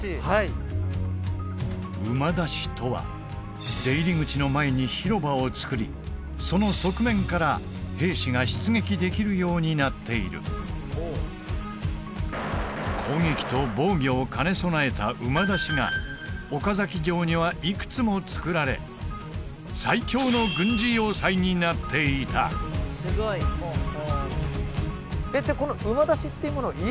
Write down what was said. はい馬出しとは出入り口の前に広場をつくりその側面から兵士が出撃できるようになっている攻撃と防御を兼ね備えた馬出しが岡崎城にはいくつもつくられ最強の軍事要塞になっていたえっ？